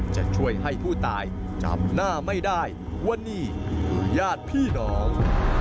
จะช่วยให้ผู้ตายจำหน้าไม่ได้ว่านี่คือญาติพี่น้อง